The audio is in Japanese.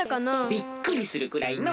びっくりするくらいのう！